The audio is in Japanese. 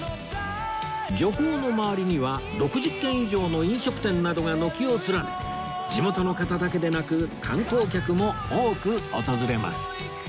漁港の周りには６０軒以上の飲食店などが軒を連ね地元の方だけでなく観光客も多く訪れます